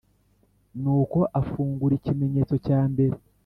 Nuko afungura ikimenyetso cya mbere